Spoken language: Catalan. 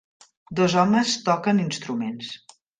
Dos homes toquen instruments